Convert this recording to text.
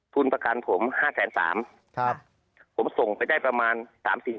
ทุนประกันผม๕แสน๓ผมส่งไปได้ประมาณ๓๔วัตต์